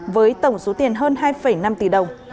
với tổng số tiền hơn hai năm tỷ đồng